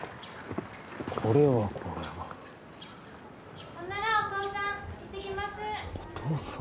これはこれは・ほんならお父さん行ってきますお父さん！？